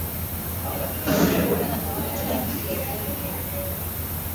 Kuji fanya kuyuwa kuna fanya mutu kuto kuyuwa